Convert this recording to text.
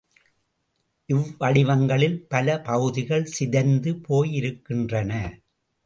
இவ்வடிவங்களில் பல பகுதிகள் சிதைந்து போயிருக்கின்றன.